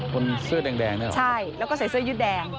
คนเสื้อแดงเนี่ยเหรอใช่แล้วก็ใส่เสื้อยืดแดง